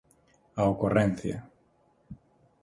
A ocorrencia.